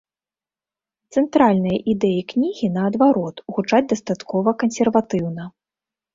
Цэнтральныя ідэі кнігі, наадварот, гучаць дастаткова кансерватыўна.